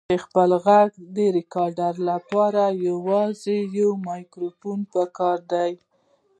د خپل غږ ریکارډ لپاره یوازې یو مایکروفون پکار دی.